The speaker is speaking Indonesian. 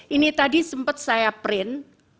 ini tadi sempat saya print